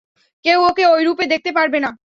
কেউ ওকে ঐ রূপে দেখতে পারবে না।